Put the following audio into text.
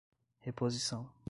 reposição